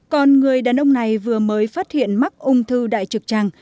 còn người đàn ông này vừa mới phát hiện mắc ung thư đại trực tràng